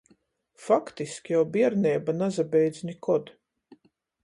Faktiski jau bierneiba nasabeidz nikod.